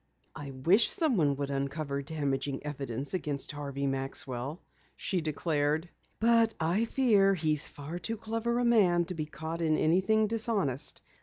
"I wish someone could uncover damaging evidence against Harvey Maxwell," she declared. "But I fear he's far too clever a man to be caught in anything dishonest.